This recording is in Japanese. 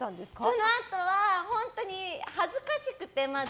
そのあとは本当に恥ずかしくて、まず。